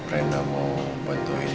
rina mau bantuin